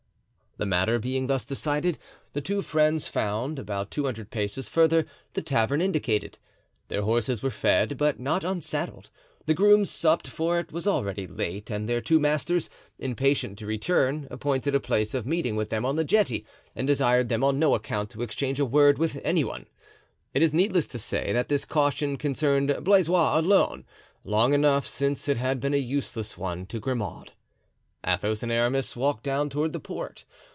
The matter being thus decided, the two friends found, about two hundred paces further, the tavern indicated. Their horses were fed, but not unsaddled; the grooms supped, for it was already late, and their two masters, impatient to return, appointed a place of meeting with them on the jetty and desired them on no account to exchange a word with any one. It is needless to say that this caution concerned Blaisois alone—long enough since it had been a useless one to Grimaud. Athos and Aramis walked down toward the port.